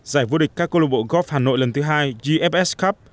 giải vua địch các cơ lộc bộ golf hà nội lần thứ hai gfs cup